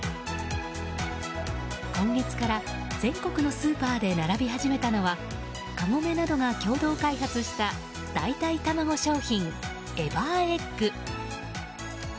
今月から全国のスーパーで並び始めたのはカゴメなどが共同開発した代替卵商品、エバーエッグ。